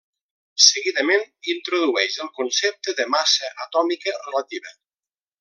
Seguidament introdueix el concepte de massa atòmica relativa.